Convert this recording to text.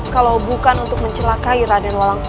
kalau bukan untuk mencelakai radenolang sosa